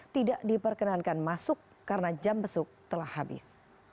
tidak diperkenankan masuk karena jam besuk telah habis